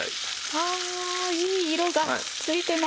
わあいい色がついてます。